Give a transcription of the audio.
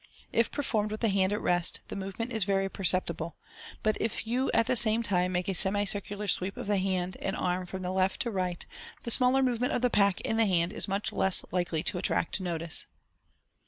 If performed with the hand at rest, the move ment is very perceptible ; but if you at the same time make a semi circular sweep of the hand and arm from left to right, the smaller movement of the pack in the hand is much less likely to attract notice.